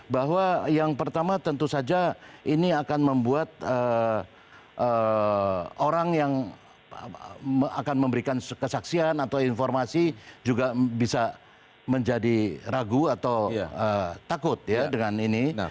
bahwa yang pertama tentu saja ini akan membuat orang yang akan memberikan kesaksian atau informasi juga bisa menjadi ragu atau takut ya dengan ini